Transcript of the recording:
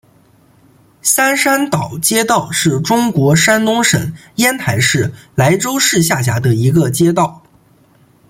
三山岛街道是中国山东省烟台市莱州市下辖的一个街道。